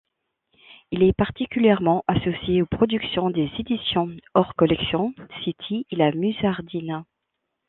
Il est particulièrement associé aux productions des éditions Hors Collection, City et La Musardine.